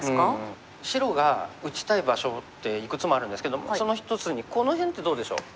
白が打ちたい場所っていくつもあるんですけどその１つにこの辺ってどうでしょう？